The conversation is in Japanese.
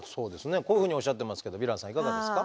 こういうふうにおっしゃってますけどヴィランさんいかがですか？